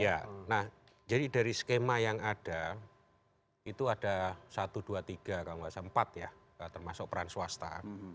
ya nah jadi dari skema yang ada itu ada satu dua tiga kalau nggak salah empat ya termasuk peran swasta